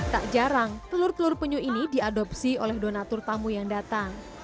tak jarang telur telur penyu ini diadopsi oleh donatur tamu yang datang